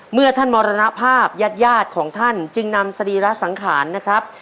เมื่อท่านมรณภาพญาติญาติของท่านจึงนำสรีระสังขารนะครับ